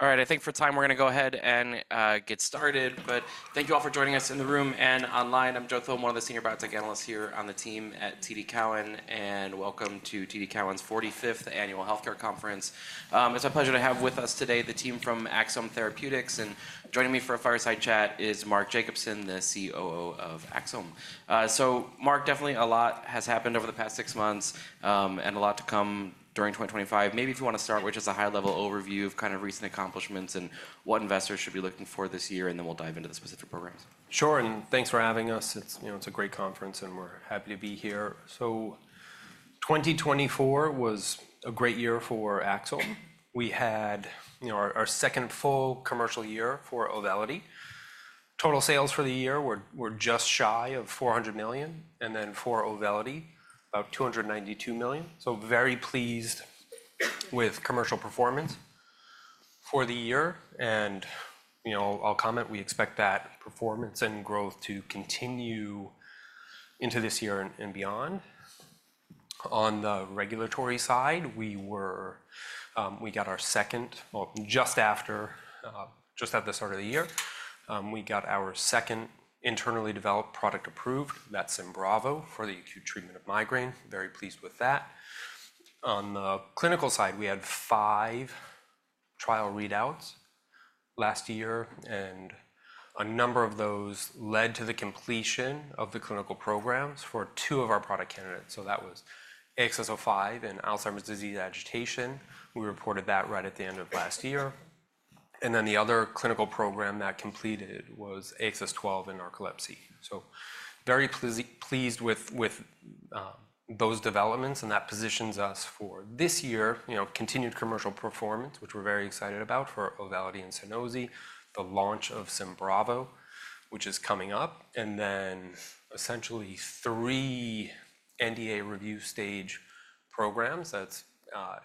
All right, I think for time we're going to go ahead and get started, but thank you all for joining us in the room and online. I'm Joe Thome, one of the senior biotech analysts here on the team at TD Cowen, and welcome to TD Cowen's 45th Annual Healthcare Conference. It's a pleasure to have with us today the team from Axsome Therapeutics, and joining me for a fireside chat is Mark Jacobson, the COO of Axsome. So Mark, definitely a lot has happened over the past six months and a lot to come during 2025. Maybe if you want to start with just a high-level overview of kind of recent accomplishments and what investors should be looking for this year, and then we'll dive into the specific programs. Sure, and thanks for having us. It's a great conference, and we're happy to be here. So 2024 was a great year for Axsome. We had our second full commercial year for Auvelity. Total sales for the year were just shy of $400 million, and then for Auvelity, about $292 million. So very pleased with commercial performance for the year. And I'll comment, we expect that performance and growth to continue into this year and beyond. On the regulatory side, we got our second, well, just after, just at the start of the year, we got our second internally developed product approved, that's Symbravo for the acute treatment of migraine. Very pleased with that. On the clinical side, we had five trial readouts last year, and a number of those led to the completion of the clinical programs for two of our product candidates. That was AXS-05 and Alzheimer's disease agitation. We reported that right at the end of last year. Then the other clinical program that completed was AXS-12 and narcolepsy. Very pleased with those developments, and that positions us for this year, continued commercial performance, which we're very excited about for Auvelity and Sunosi, the launch of AXS-07, which is coming up, and then essentially three NDA review stage programs, that's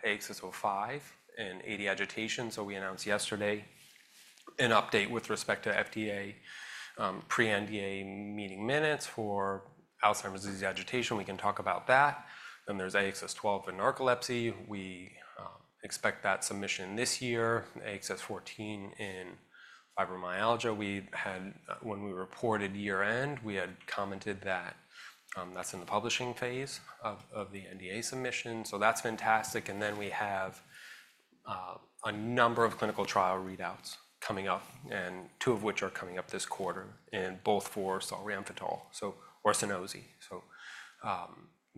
AXS-05 and AD agitation. We announced yesterday an update with respect to FDA pre-NDA meeting minutes for Alzheimer's disease agitation. We can talk about that. Then there's AXS-12 and narcolepsy. We expect that submission this year, AXS-14 and fibromyalgia. When we reported year-end, we had commented that that's in the filing phase of the NDA submission. That's fantastic. And then we have a number of clinical trial readouts coming up, and two of which are coming up this quarter, and both for solriamfetol, or Sunosi. So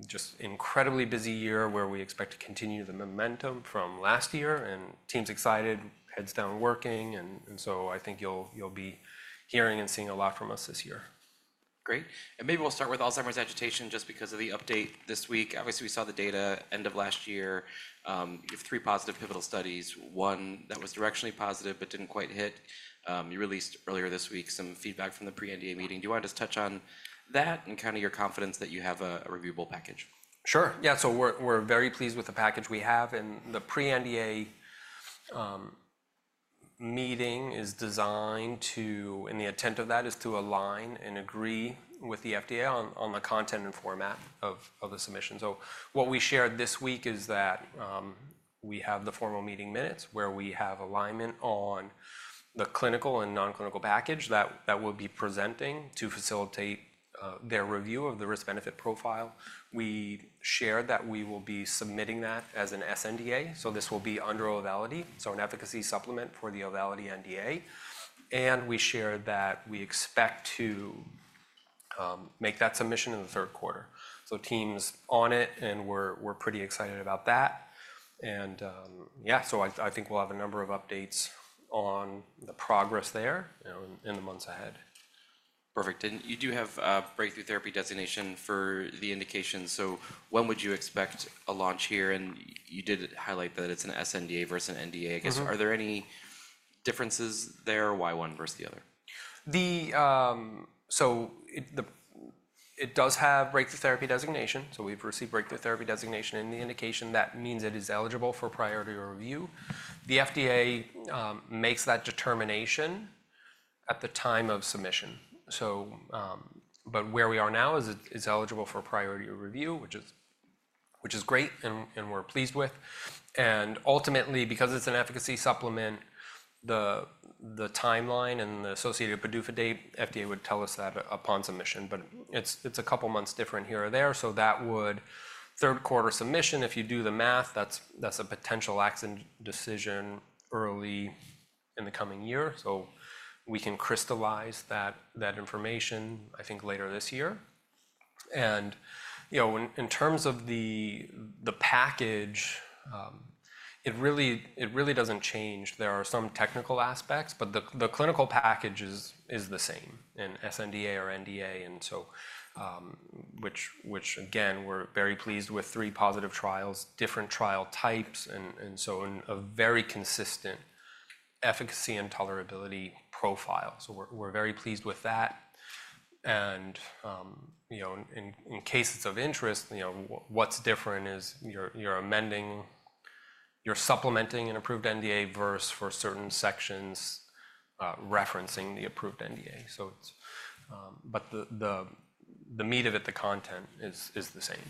just an incredibly busy year where we expect to continue the momentum from last year, and team's excited, heads down working. And so I think you'll be hearing and seeing a lot from us this year. Great. And maybe we'll start with Alzheimer's agitation just because of the update this week. Obviously, we saw the data end of last year. You have three positive pivotal studies, one that was directionally positive but didn't quite hit. You released earlier this week some feedback from the pre-NDA meeting. Do you want to just touch on that and kind of your confidence that you have a reviewable package? Sure. Yeah, so we're very pleased with the package we have, and the pre-NDA meeting is designed to, and the intent of that is to align and agree with the FDA on the content and format of the submission, so what we shared this week is that we have the formal meeting minutes where we have alignment on the clinical and non-clinical package that we'll be presenting to facilitate their review of the risk-benefit profile. We shared that we will be submitting that as an sNDA, so this will be under Auvelity, so an efficacy supplement for the Auvelity NDA, and we shared that we expect to make that submission in the third quarter, so team's on it, and we're pretty excited about that, and yeah, so I think we'll have a number of updates on the progress there in the months ahead. Perfect. And you do have a breakthrough therapy designation for the indication. So when would you expect a launch here? And you did highlight that it's an sNDA versus an NDA. I guess, are there any differences there? Why one versus the other? So it does have breakthrough therapy designation. So we've received breakthrough therapy designation in the indication. That means it is eligible for priority review. The FDA makes that determination at the time of submission. But where we are now is it's eligible for priority review, which is great and we're pleased with. And ultimately, because it's an efficacy supplement, the timeline and the associated PDUFA date, FDA would tell us that upon submission, but it's a couple of months different here or there. So that would third quarter submission, if you do the math, that's a potential Agency decision early in the coming year. So we can crystallize that information, I think, later this year. And in terms of the package, it really doesn't change. There are some technical aspects, but the clinical package is the same in sNDA or NDA, which, again, we're very pleased with three positive trials, different trial types, and so a very consistent efficacy and tolerability profile. So we're very pleased with that, and in cases of interest, what's different is you're amending, you're supplementing an approved NDA versus for certain sections referencing the approved NDA, but the meat of it, the content is the same.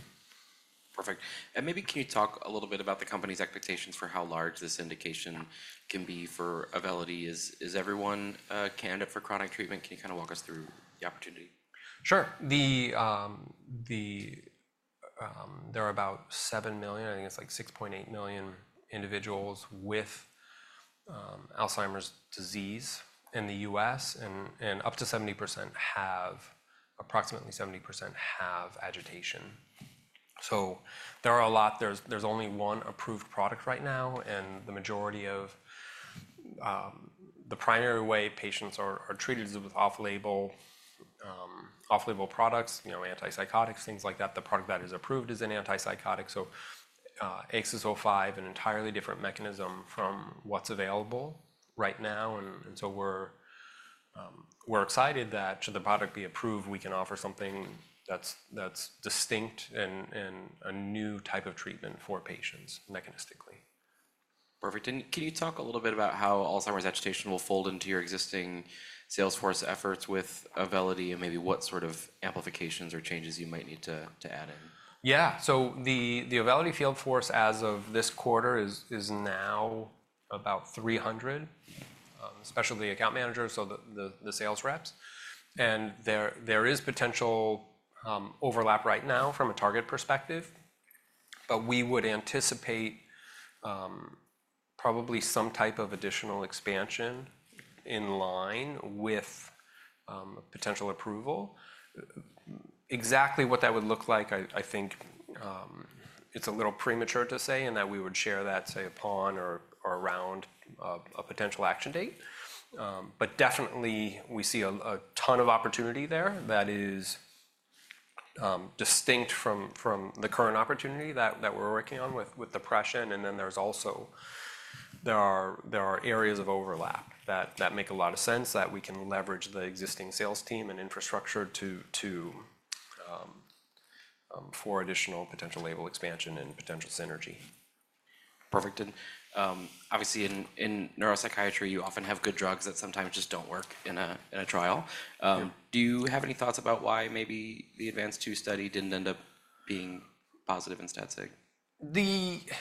Perfect. And maybe can you talk a little bit about the company's expectations for how large this indication can be for Auvelity? Is everyone a candidate for chronic treatment? Can you kind of walk us through the opportunity? Sure. There are about seven million, I think it's like 6.8 million individuals with Alzheimer's disease in the U.S., and up to 70% have, approximately 70% have agitation. So there are a lot. There's only one approved product right now, and the majority of the primary way patients are treated is with off-label products, antipsychotics, things like that. The product that is approved is an antipsychotic. So AXS-05, an entirely different mechanism from what's available right now. And so we're excited that should the product be approved, we can offer something that's distinct and a new type of treatment for patients mechanistically. Perfect. And can you talk a little bit about how Alzheimer's agitation will fold into your existing sales force efforts with Auvelity and maybe what sort of amplifications or changes you might need to add in? Yeah. So the Auvelity Field Force as of this quarter is now about 300, especially the account managers, so the sales reps. And there is potential overlap right now from a target perspective, but we would anticipate probably some type of additional expansion in line with potential approval. Exactly what that would look like, I think it's a little premature to say, and that we would share that, say, upon or around a potential action date. But definitely, we see a ton of opportunity there that is distinct from the current opportunity that we're working on with depression. And then there's also there are areas of overlap that make a lot of sense that we can leverage the existing sales team and infrastructure for additional potential label expansion and potential synergy. Perfect. And obviously, in neuropsychiatry, you often have good drugs that sometimes just don't work in a trial. Do you have any thoughts about why maybe the ADVANCE-2 study didn't end up being positive in statistical significance?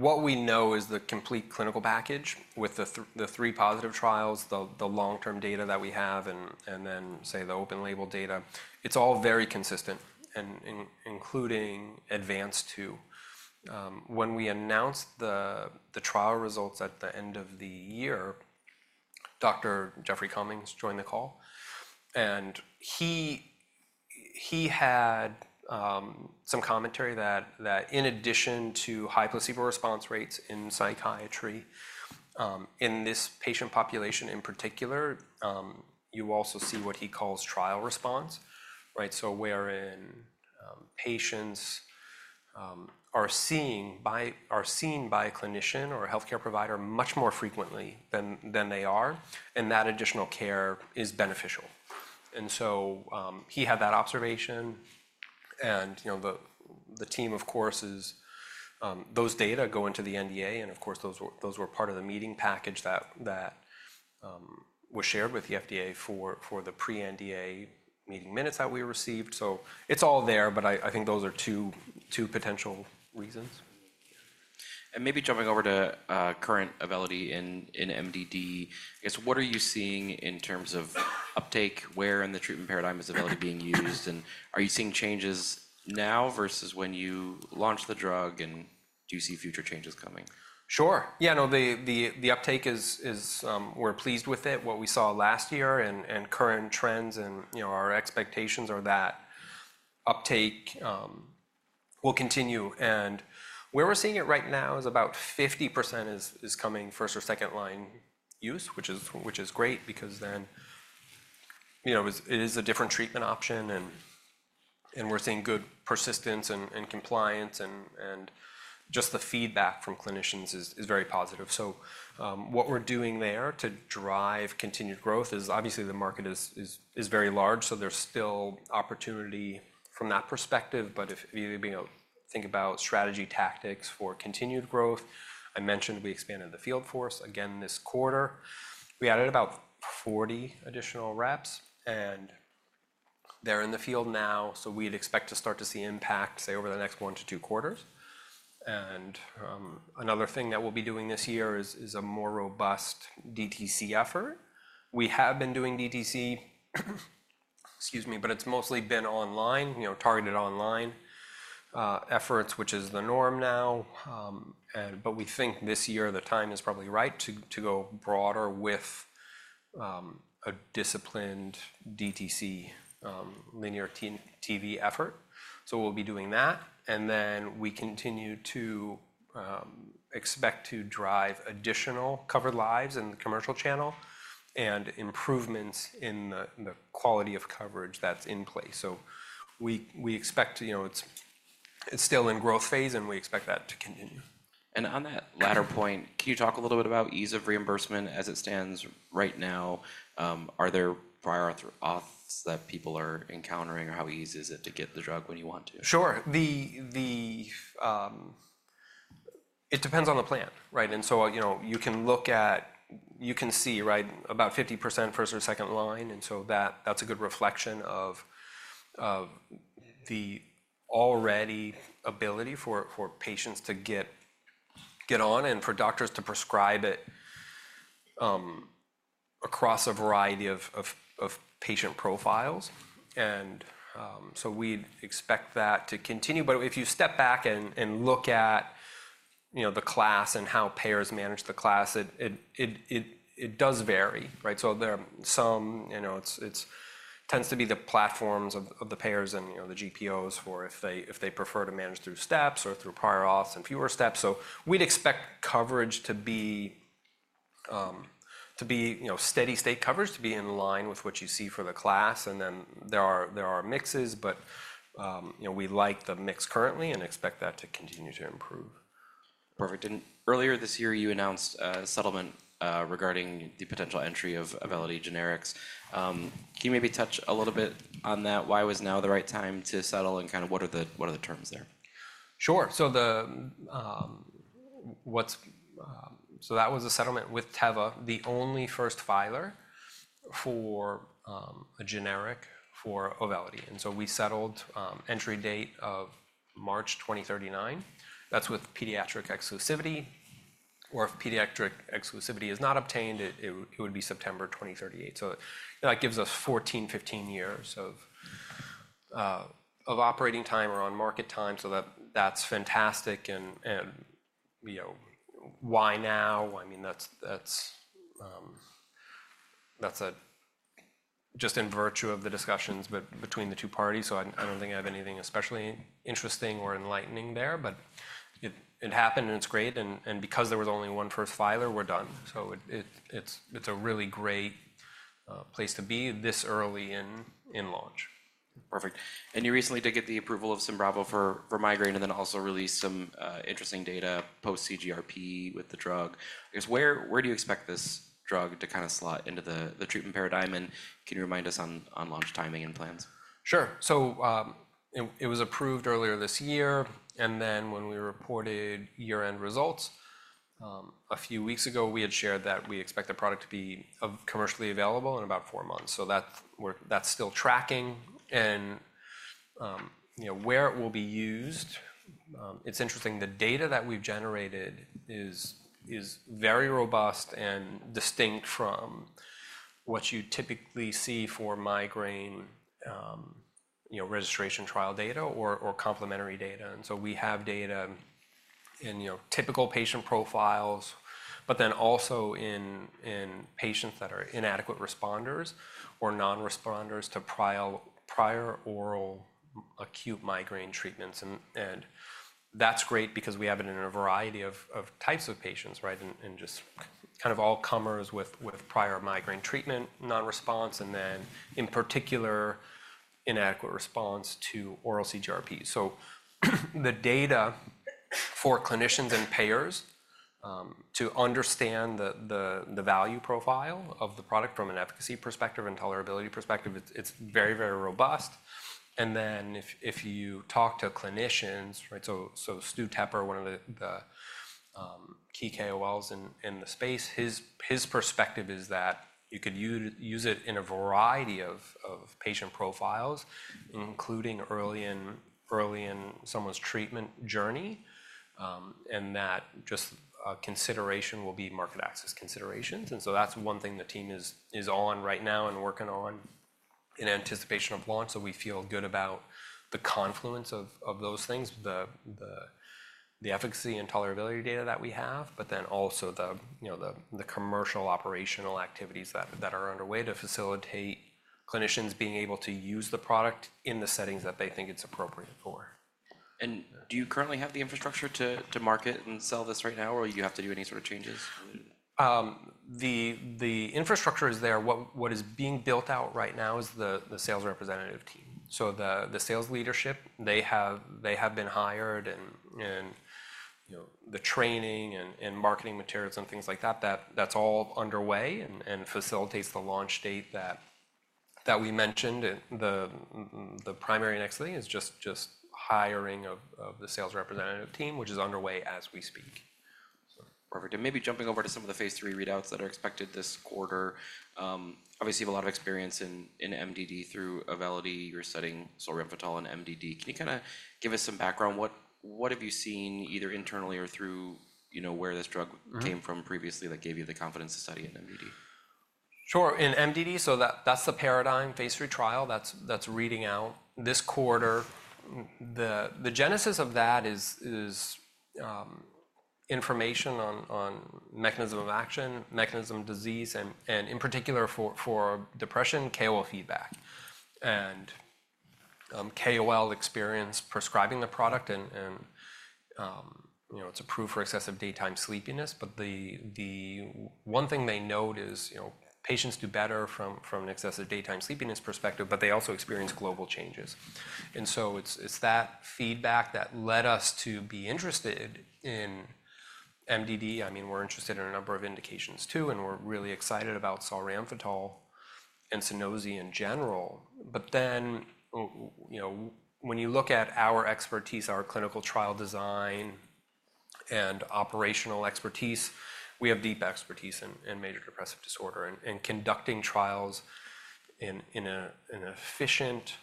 What we know is the complete clinical package with the three positive trials, the long-term data that we have, and then, say, the open label data. It's all very consistent, including ADVANCE-2. When we announced the trial results at the end of the year, Dr. Jeffrey Cummings joined the call. And he had some commentary that in addition to high placebo response rates in psychiatry, in this patient population in particular, you also see what he calls trial response, right? So wherein patients are seen by a clinician or a healthcare provider much more frequently than they are, and that additional care is beneficial. And so he had that observation. And the team, of course, those data go into the NDA, and of course, those were part of the meeting package that was shared with the FDA for the pre-NDA meeting minutes that we received. So it's all there, but I think those are two potential reasons. Maybe jumping over to current Auvelity in MDD, I guess, what are you seeing in terms of uptake? Where in the treatment paradigm is Auvelity being used? And are you seeing changes now versus when you launch the drug? And do you see future changes coming? Sure. Yeah, no, the uptake is we're pleased with it. What we saw last year and current trends and our expectations are that uptake will continue. And where we're seeing it right now is about 50% is coming first or second-line use, which is great because then it is a different treatment option, and we're seeing good persistence and compliance, and just the feedback from clinicians is very positive. So what we're doing there to drive continued growth is obviously the market is very large, so there's still opportunity from that perspective. But if you think about strategy tactics for continued growth, I mentioned we expanded the field force again this quarter. We added about 40 additional reps, and they're in the field now. So we'd expect to start to see impact, say, over the next one to two quarters. Another thing that we'll be doing this year is a more robust DTC effort. We have been doing DTC, excuse me, but it's mostly been online, targeted online efforts, which is the norm now. We think this year the time is probably right to go broader with a disciplined DTC linear TV effort. We'll be doing that. Then we continue to expect to drive additional covered lives in the commercial channel and improvements in the quality of coverage that's in place. We expect it's still in growth phase, and we expect that to continue. And on that latter point, can you talk a little bit about ease of reimbursement as it stands right now? Are there prior auths that people are encountering, or how easy is it to get the drug when you want to? Sure. It depends on the plan, right? And so you can look at, you can see, right, about 50% first or second line. And so that's a good reflection of the Auvelity availability for patients to get on and for doctors to prescribe it across a variety of patient profiles. And so we expect that to continue. But if you step back and look at the class and how payers manage the class, it does vary, right? So there are some, it tends to be the platforms of the payers and the GPOs for if they prefer to manage through steps or through prior auths and fewer steps. So we'd expect coverage to be steady state coverage, to be in line with what you see for the class. And then there are mixes, but we like the mix currently and expect that to continue to improve. Perfect. And earlier this year, you announced a settlement regarding the potential entry of Auvelity generics. Can you maybe touch a little bit on that? Why was now the right time to settle and kind of what are the terms there? Sure. So that was a settlement with Teva, the only first filer for a generic for Auvelity. And so we settled entry date of March 2039. That's with pediatric exclusivity. Or if pediatric exclusivity is not obtained, it would be September 2038. So that gives us 14, 15 years of operating time or on market time. So that's fantastic. And why now? I mean, that's just in virtue of the discussions between the two parties. So I don't think I have anything especially interesting or enlightening there, but it happened and it's great. And because there was only one first filer, we're done. So it's a really great place to be this early in launch. Perfect. And you recently did get the approval of Symbravo for migraine and then also released some interesting data post-CGRP with the drug. I guess, where do you expect this drug to kind of slot into the treatment paradigm? And can you remind us on launch timing and plans? Sure. So it was approved earlier this year. And then when we reported year-end results a few weeks ago, we had shared that we expect the product to be commercially available in about four months. So that's still tracking. And where it will be used, it's interesting. The data that we've generated is very robust and distinct from what you typically see for migraine registration trial data or complementary data. And so we have data in typical patient profiles, but then also in patients that are inadequate responders or non-responders to prior oral acute migraine treatments. And that's great because we have it in a variety of types of patients, right, and just kind of all comers with prior migraine treatment, non-response, and then in particular, inadequate response to oral CGRP. So the data for clinicians and payers to understand the value profile of the product from an efficacy perspective and tolerability perspective, it's very, very robust. And then if you talk to clinicians, right, so Stewart Tepper, one of the key KOLs in the space, his perspective is that you could use it in a variety of patient profiles, including early in someone's treatment journey, and that just consideration will be market access considerations. And so that's one thing the team is on right now and working on in anticipation of launch. So we feel good about the confluence of those things, the efficacy and tolerability data that we have, but then also the commercial operational activities that are underway to facilitate clinicians being able to use the product in the settings that they think it's appropriate for. Do you currently have the infrastructure to market and sell this right now, or do you have to do any sort of changes? The infrastructure is there. What is being built out right now is the sales representative team. So the sales leadership, they have been hired, and the training and marketing materials and things like that, that's all underway and facilitates the launch date that we mentioned. The primary next thing is just hiring of the sales representative team, which is underway as we speak. Perfect. And maybe jumping over to some of the phase 3 readouts that are expected this quarter. Obviously, you have a lot of experience in MDD through Auvelity. You're studying solriamfetol in MDD. Can you kind of give us some background? What have you seen either internally or through where this drug came from previously that gave you the confidence to study in MDD? Sure. In MDD, so that's the PARADIGM, phase three trial. That's reading out this quarter. The genesis of that is information on mechanism of action, mechanism of disease, and in particular for depression, KOL feedback and KOL experience prescribing the product. It's approved for excessive daytime sleepiness, but the one thing they note is patients do better from an excessive daytime sleepiness perspective, but they also experience global changes. So it's that feedback that led us to be interested in MDD. I mean, we're interested in a number of indications too, and we're really excited about solriamfetol and Sunosi in general. But then when you look at our expertise, our clinical trial design and operational expertise, we have deep expertise in major depressive disorder and conducting trials in an efficient,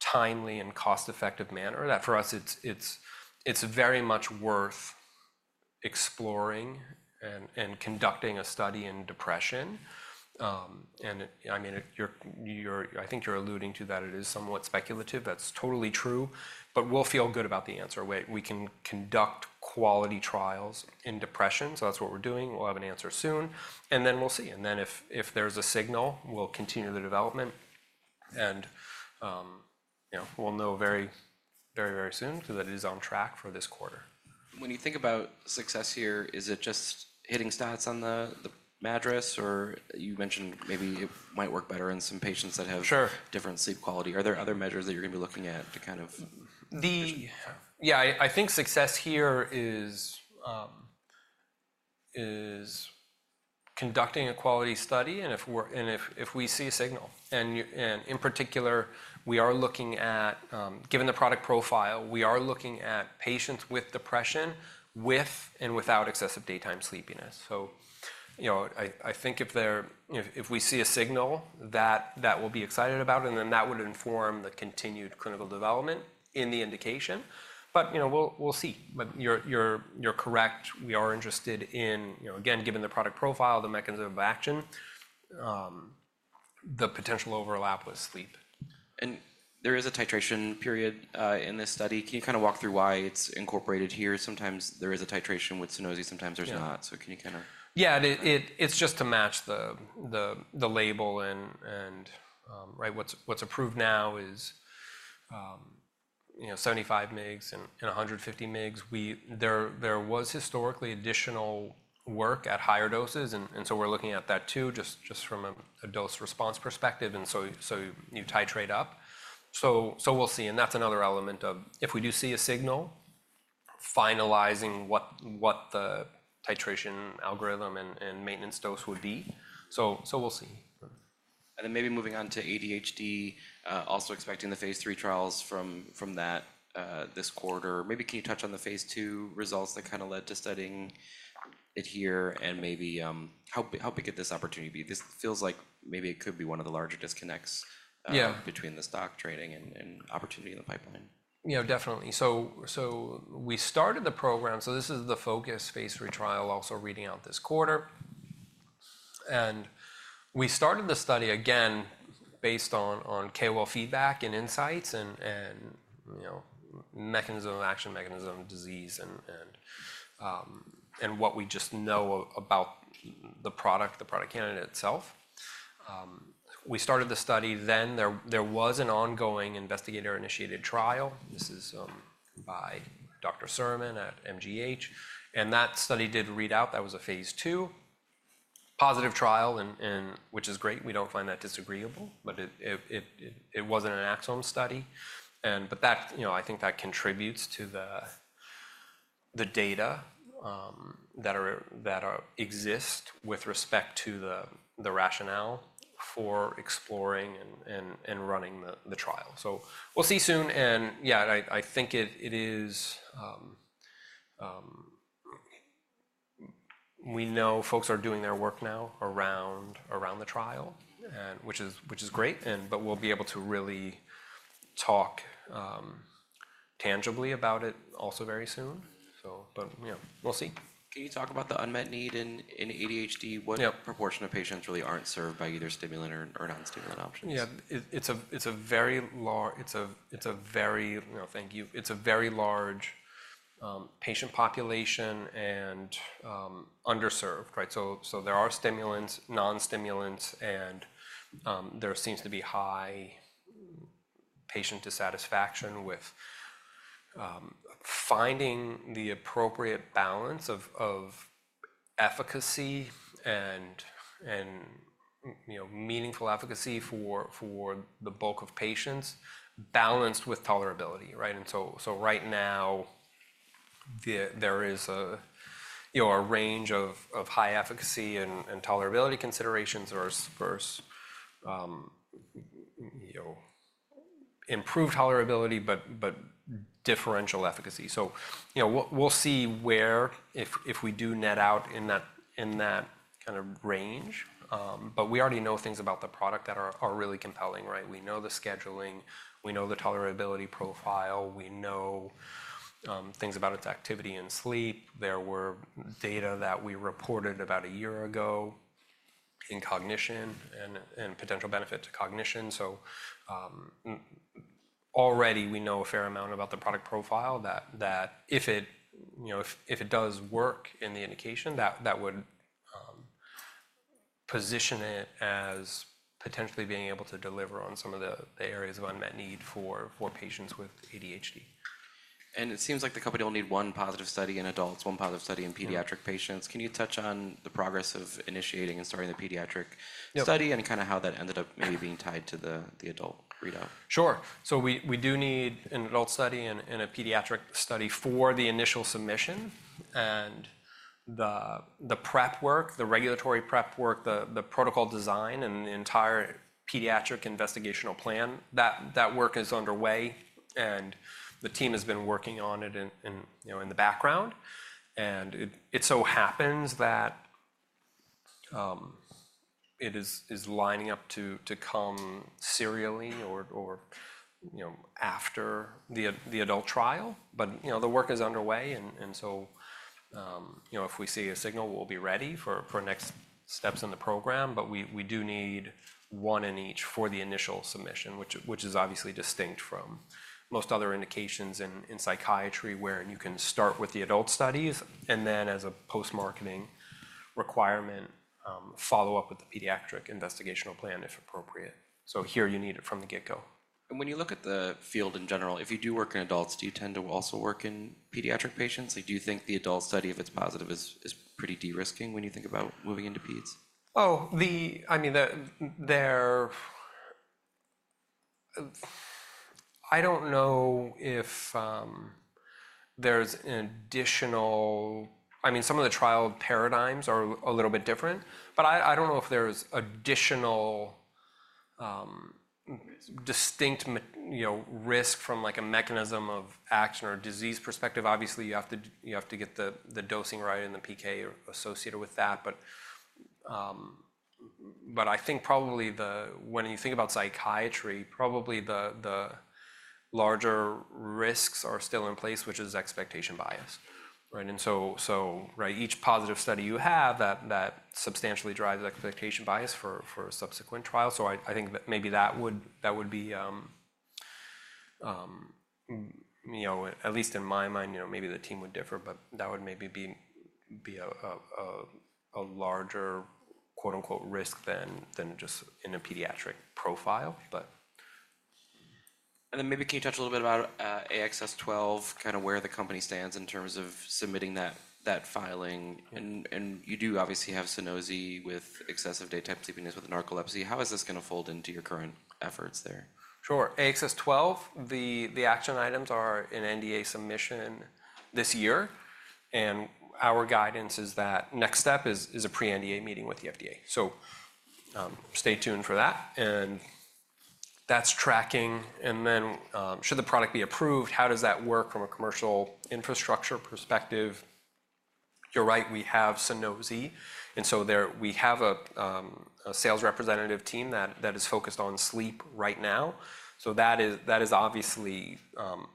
timely, and cost-effective manner. That for us, it's very much worth exploring and conducting a study in depression. I mean, I think you're alluding to that it is somewhat speculative. That's totally true, but we'll feel good about the answer. We can conduct quality trials in depression. That's what we're doing. We'll have an answer soon. Then we'll see. Then if there's a signal, we'll continue the development. We'll know very, very, very soon because it is on track for this quarter. When you think about success here, is it just hitting stats on the MADRS, or you mentioned maybe it might work better in some patients that have different sleep quality? Are there other measures that you're going to be looking at to kind of? Yeah, I think success here is conducting a quality study and if we see a signal, and in particular, we are looking at, given the product profile, we are looking at patients with depression with and without excessive daytime sleepiness, so I think if we see a signal, that will be excited about it, and then that would inform the continued clinical development in the indication, but we'll see, but you're correct. We are interested in, again, given the product profile, the mechanism of action, the potential overlap with sleep. There is a titration period in this study. Can you kind of walk through why it's incorporated here? Sometimes there is a titration with Sunosi, sometimes there's not. Can you kind of? Yeah, it's just to match the label. And what's approved now is 75 mg and 150 mg. There was historically additional work at higher doses, and so we're looking at that too, just from a dose response perspective. And so you titrate up. So we'll see. And that's another element of if we do see a signal, finalizing what the titration algorithm and maintenance dose would be. So we'll see. And then maybe moving on to ADHD, also expecting the phase three trials from that this quarter. Maybe can you touch on the phase two results that kind of led to studying it here and maybe help you get this opportunity? This feels like maybe it could be one of the larger disconnects between the stock trading and opportunity in the pipeline. Yeah, definitely. So we started the program. So this is the FOCUS phase 3 trial also reading out this quarter. And we started the study again based on KOL feedback and insights and mechanism of action, mechanism of disease, and what we just know about the product, the product candidate itself. We started the study then. There was an ongoing investigator-initiated trial. This is by Dr. Surman at MGH. And that study did read out. That was a phase 2 positive trial, which is great. We don't find that disagreeable, but it wasn't an Axsome study. But I think that contributes to the data that exist with respect to the rationale for exploring and running the trial. So we'll see soon. And yeah, I think it is. We know folks are doing their work now around the trial, which is great. But we'll be able to really talk tangibly about it also very soon. But we'll see. Can you talk about the unmet need in ADHD? What proportion of patients really aren't served by either stimulant or non-stimulant options? It's a very large patient population and underserved, right? So there are stimulants, non-stimulants, and there seems to be high patient dissatisfaction with finding the appropriate balance of efficacy and meaningful efficacy for the bulk of patients balanced with tolerability, right? And so right now, there is a range of high efficacy and tolerability considerations versus improved tolerability, but differential efficacy. So we'll see where if we do net out in that kind of range. But we already know things about the product that are really compelling, right? We know the scheduling, we know the tolerability profile, we know things about its activity and sleep. There were data that we reported about a year ago in cognition and potential benefit to cognition. Already we know a fair amount about the product profile that if it does work in the indication, that would position it as potentially being able to deliver on some of the areas of unmet need for patients with ADHD. It seems like the company will need one positive study in adults, one positive study in pediatric patients. Can you touch on the progress of initiating and starting the pediatric study and kind of how that ended up maybe being tied to the adult readout? Sure. So we do need an adult study and a pediatric study for the initial submission and the prep work, the regulatory prep work, the protocol design, and the entire pediatric investigational plan. That work is underway, and the team has been working on it in the background. And it so happens that it is lining up to come serially or after the adult trial. But the work is underway. And so if we see a signal, we'll be ready for next steps in the program. But we do need one in each for the initial submission, which is obviously distinct from most other indications in psychiatry where you can start with the adult studies and then as a post-marketing requirement, follow up with the pediatric investigational plan if appropriate. So here you need it from the get-go. When you look at the field in general, if you do work in adults, do you tend to also work in pediatric patients? Do you think the adult study, if it's positive, is pretty de-risking when you think about moving into peds? Oh, I mean, I don't know if there's an additional, I mean, some of the trial paradigms are a little bit different, but I don't know if there's additional distinct risk from a mechanism of action or disease perspective. Obviously, you have to get the dosing right and the PK associated with that. But I think probably when you think about psychiatry, probably the larger risks are still in place, which is expectation bias, right? And so each positive study you have that substantially drives expectation bias for a subsequent trial. So I think that maybe that would be, at least in my mind, maybe the team would differ, but that would maybe be a larger "risk" than just in a pediatric profile. And then maybe can you touch a little bit about AXS-12, kind of where the company stands in terms of submitting that filing? You do obviously have Sunosi with excessive daytime sleepiness with narcolepsy. How is this going to fold into your current efforts there? Sure. AXS-12, the action items are in NDA submission this year. Our guidance is that next step is a pre-NDA meeting with the FDA. So stay tuned for that. And that's tracking. And then should the product be approved, how does that work from a commercial infrastructure perspective? You're right, we have Sunosi. And so we have a sales representative team that is focused on sleep right now. So that is obviously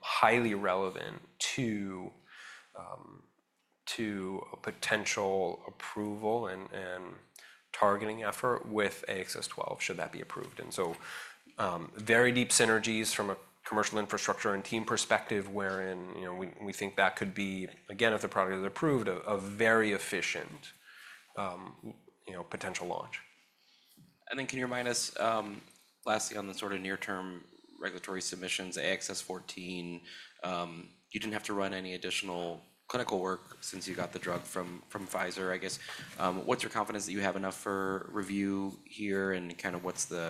highly relevant to potential approval and targeting effort with AXS-12 should that be approved. And so very deep synergies from a commercial infrastructure and team perspective wherein we think that could be, again, if the product is approved, a very efficient potential launch. And then, can you remind us lastly on the sort of near-term regulatory submissions, AXS-14, you didn't have to run any additional clinical work since you got the drug from Pfizer, I guess. What's your confidence that you have enough for review here and kind of what's the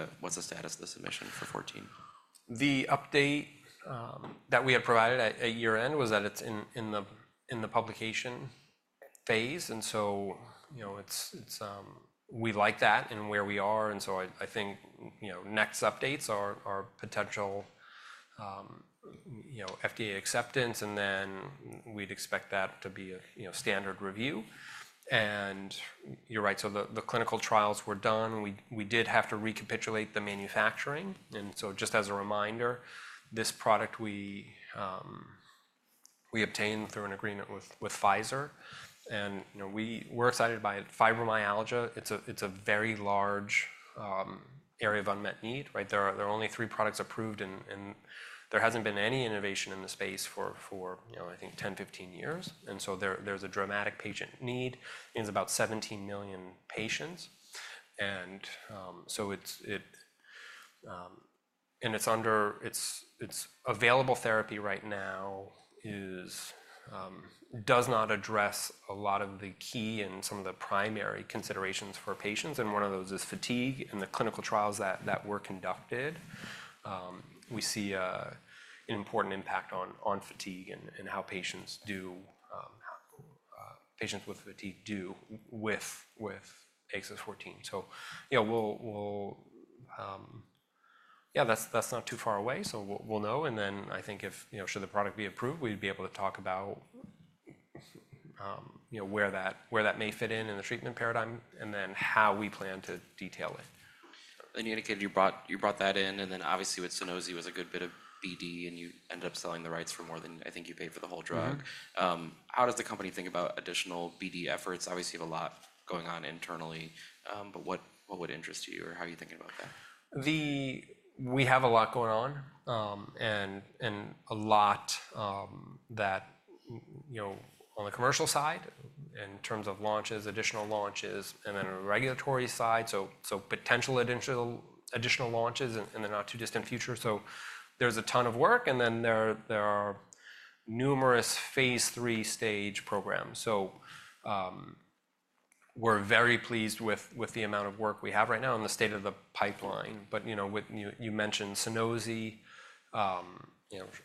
status of the submission for AXS-14? The update that we had provided at year-end was that it's in the publication phase, and so we like that and where we are. I think next updates are potential FDA acceptance, and then we'd expect that to be a standard review. You're right. The clinical trials were done. We did have to recapitulate the manufacturing, and so just as a reminder, this product we obtained through an agreement with Pfizer. We're excited by fibromyalgia. It's a very large area of unmet need, right? There are only three products approved, and there hasn't been any innovation in the space for, I think, 10, 15 years. There's a dramatic patient need. It's about 17 million patients. The available therapy right now does not address a lot of the key and some of the primary considerations for patients. One of those is fatigue. In the clinical trials that were conducted, we see an important impact on fatigue and how patients with fatigue do with AXS-14, so yeah, that's not too far away, so we'll know, and then I think if should the product be approved, we'd be able to talk about where that may fit in the treatment paradigm and then how we plan to detail it. You indicated you brought that in, and then obviously with Sunosi was a good bit of BD, and you ended up selling the rights for more than I think you paid for the whole drug. How does the company think about additional BD efforts? Obviously, you have a lot going on internally, but what would interest you or how are you thinking about that? We have a lot going on and a lot going on the commercial side in terms of launches, additional launches, and then a regulatory side. So potential additional launches in the not-too-distant future. So there's a ton of work, and then there are numerous phase 3 stage programs. So we're very pleased with the amount of work we have right now in the state of the pipeline. But you mentioned Sunosi.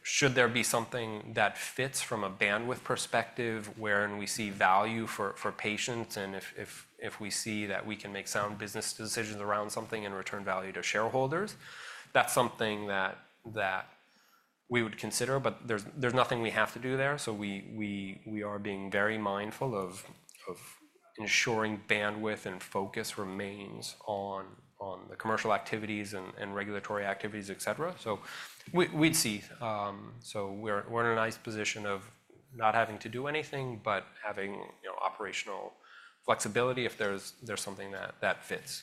Should there be something that fits from a bandwidth perspective wherein we see value for patients? And if we see that we can make sound business decisions around something and return value to shareholders, that's something that we would consider. But there's nothing we have to do there. So we are being very mindful of ensuring bandwidth and focus remains on the commercial activities and regulatory activities, etc. So we'll see. So we're in a nice position of not having to do anything but having operational flexibility if there's something that fits.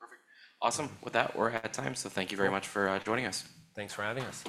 Perfect. Awesome. With that, we're out of time. So thank you very much for joining us. Thanks for having us.